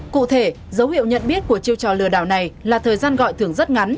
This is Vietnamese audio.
cụ thể dấu hiệu nhận biết của chiêu trò lừa đảo này là thời gian gọi thường rất ngắn